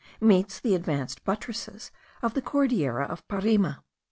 meets the advanced buttresses of the Cordillera of Parima.